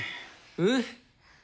うん！